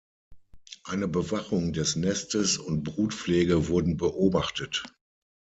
Eine Bewachung des Nestes und Brutpflege wurden beobachtet.